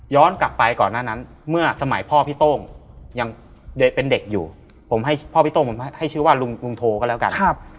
กลับไปก่อนหน้านั้นเมื่อสมัยพ่อพี่โต้งยังเป็นเด็กอยู่ผมให้พ่อพี่โต้งผมให้ชื่อว่าลุงโทก็แล้วกัน